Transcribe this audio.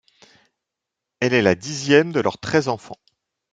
Elle est la dixième de leurs treize enfants.